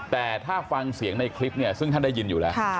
แต่ถ้าฟังเสียงในคลิปเนี่ยซึ่งท่านได้ยินอยู่แล้ว